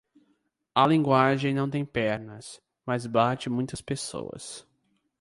A linguagem não tem pernas, mas bate muitas pessoas.